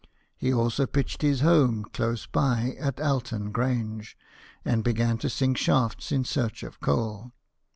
He also pitched his home close by at Alton Grange, and began to sink shafts in search of coal.